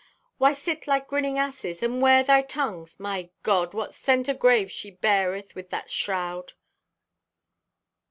Why sit like grinning asses! And where thy tungs? My God! What scent o' graves she beareth with that shroud!"